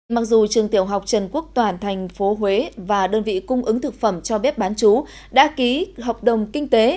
mặc dù trường tiểu học trần quốc toàn thành phố huế và đơn vị cung ứng thực phẩm cho bếp bán chú đã ký hợp đồng kinh tế